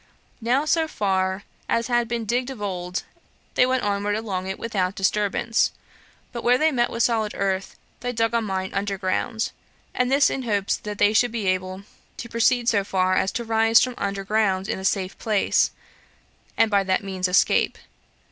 Now, so far as had been digged of old, they went onward along it without disturbance; but where they met with solid earth, they dug a mine under ground, and this in hopes that they should be able to proceed so far as to rise from under ground in a safe place, and by that means escape.